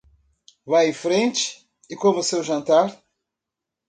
Vá em frente e coma seu jantar.